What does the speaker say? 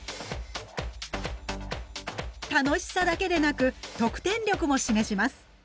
楽しさだけでなく得点力も示します。